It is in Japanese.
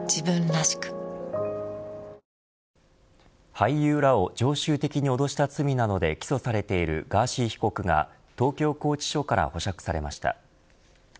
俳優らを常習的に脅した罪などで起訴されているガーシー被告が東京拘置所から保釈されました。